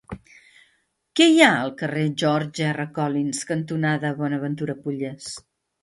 Què hi ha al carrer George R. Collins cantonada Bonaventura Pollés?